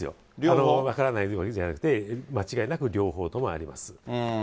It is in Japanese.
分からないわけじゃなくて間違いなく両方ともあります。